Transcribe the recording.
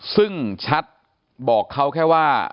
ซึ่งชัดบอกเขาแค่ว่า